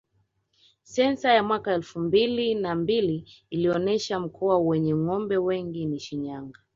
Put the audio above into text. Sensa ya mwaka elfu mbili na mbili ilionesha mkoa wenye ngombe wengi ni Shinyanga